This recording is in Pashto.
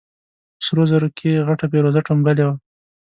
په سرو زرو کې غټه فېروزه ټومبلې وه.